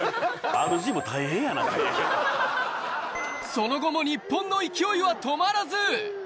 その後も日本の勢いは止まらず。